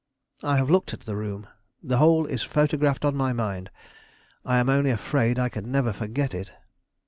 "I have looked at the room. The whole is photographed on my mind. I am only afraid I can never forget it."